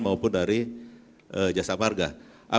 maupun dari jasa marga